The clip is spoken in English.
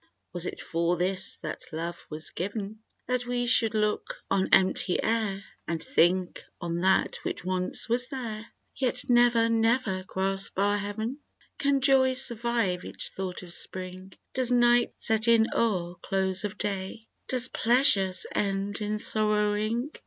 Was it for this that Love was given ? That we should look on empty air And think on that which once was there, Yet never, never grasp our heaven ? Can Joy survive each thought of Spring? Does Night set in e'er close of Day? Does Pleasure end in sorrowing?